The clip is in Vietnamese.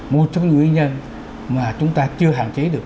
một trong những nguyên nhân mà chúng ta chưa hạn chế được